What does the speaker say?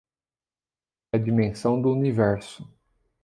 É a dimensão do universo.